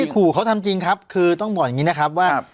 ขู่เขาทำจริงครับคือต้องบอกอย่างนี้นะครับว่า